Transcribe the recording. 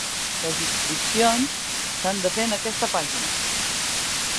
Les inscripcions s’han de fer en aquesta pàgina.